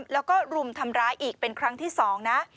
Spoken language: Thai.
แล้วก็รุมทำร้ายอีกเป็นครั้งที่๒นะ